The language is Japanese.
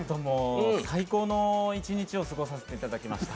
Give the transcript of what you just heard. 最高の一日を過ごさせていただきました。